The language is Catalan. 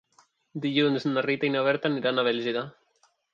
Dilluns na Rita i na Berta aniran a Bèlgida.